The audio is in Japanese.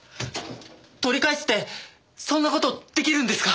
取り返すってそんな事出来るんですか！？